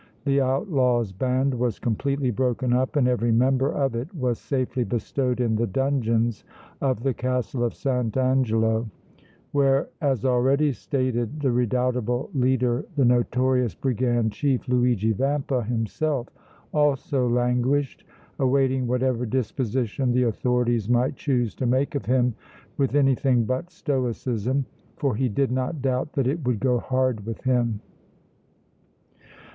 The outlaws' band was completely broken up and every member of it was safely bestowed in the dungeons of the Castle of St. Angelo, where, as already stated, the redoubtable leader the notorious brigand chief, Luigi Vampa himself, also languished, awaiting whatever disposition the authorities might choose to make of him with anything but stoicism, for he did not doubt that it would go hard with him.